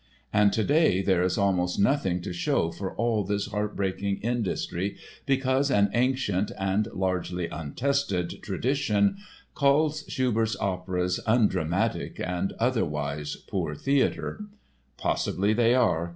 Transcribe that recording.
And today there is almost nothing to show for all this heartbreaking industry because an ancient (and largely untested) tradition calls Schubert's operas "undramatic" and otherwise "poor theatre." Possibly they are.